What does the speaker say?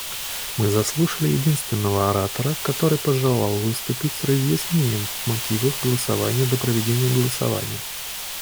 Мы заслушали единственного оратора, который пожелал выступить с разъяснением мотивов голосования до проведения голосования.